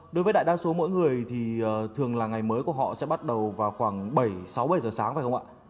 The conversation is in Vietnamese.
đối với đại đa số mỗi người thì thường là ngày mới của họ sẽ bắt đầu vào khoảng sáu bảy giờ sáng phải không ạ